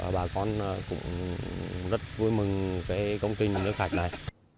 bà con cũng rất vui mừng công trình nước sạch này